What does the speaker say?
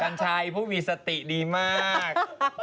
กันชายคุณพี่สติดีมาก